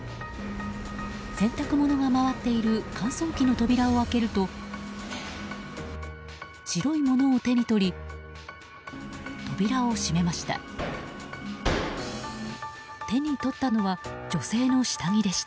洗濯物が回っている乾燥器の扉を開けると白いものを手に取り扉を閉めました。